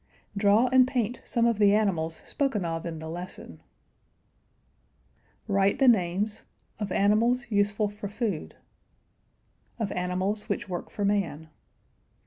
Draw and paint some of the animals spoken of in the lesson. Write the names: Of animals useful for food. Of animals which work for man.